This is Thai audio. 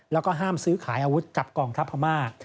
แล้วก็ห้ามซื้อขายอาวุธกับกองทัพพม่า